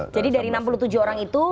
jadi dari enam puluh tujuh orang itu